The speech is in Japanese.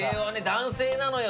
男性なのよ